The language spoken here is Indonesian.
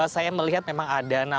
saya melihat memang ada